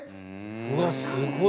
うわっすごい。